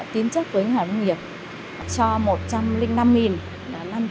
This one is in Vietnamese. tính chất với ngân hàng nông nghiệp cho một trăm linh năm đồng